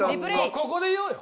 ここで言おうよ。